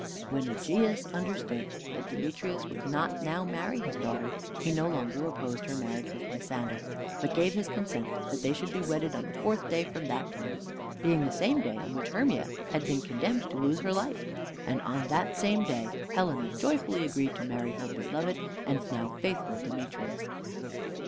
When Egeus understood that Demetrius would not now marry his daughter, he no longer opposed her marriage with Lysander, but gave his consent that they should be wedded on the fourth day from that time, being the same day on which Hermia had been condemned to lose her life; and on that same day Helena joyfully agreed to marry her beloved and now faithful Demetrius.